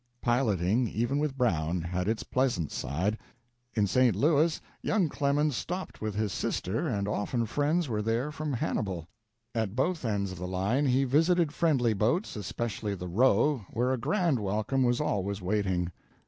Piloting, even with Brown, had its pleasant side. In St. Louis, young Clemens stopped with his sister, and often friends were there from Hannibal. At both ends of the line he visited friendly boats, especially the "Roe," where a grand welcome was always waiting.